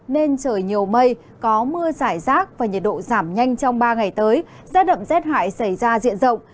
nên trời nhiều mây có mưa giải rác và nhiệt độ giảm nhanh trong ba ngày tới rét đậm rét hại xảy ra diện rộng